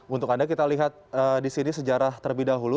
untuk anda kita lihat di sini sejarah terlebih dahulu